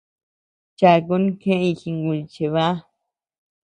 Chakun jeʼëñ jinguy chebä.